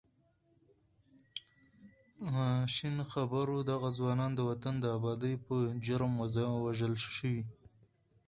ماشین خبر و دغه ځوانان د وطن د ابادۍ په جرم وژل شوي.